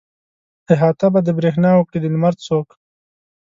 احاطه به د برېښنا وکړي د لمر څوک.